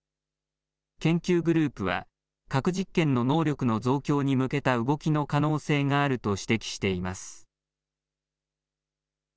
研究グループは、核実験の能力の増強に向けた動きの可能性があると指摘しています。